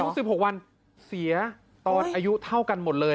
๑๖วันเสียตอนอายุเท่ากันหมดเลย